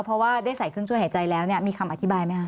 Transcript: เพราะว่าได้ใส่เครื่องช่วยหายใจแล้วเนี่ยมีคำอธิบายไหมคะ